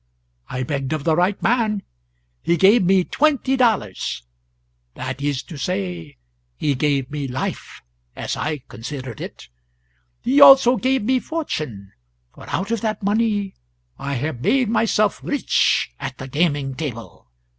I begged of the right man. He gave me twenty dollars that is to say, he gave me life, as I considered it. He also gave me fortune; for out of that money I have made myself rich at the gaming table.